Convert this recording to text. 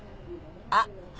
あ！